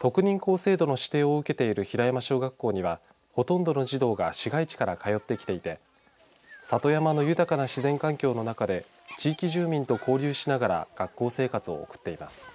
特認校制度の指定を受けている平山小学校にはほとんどの児童が市街地から通ってきていて里山の豊かな自然環境の中で地域住民と交流しながら学校生活を送っています。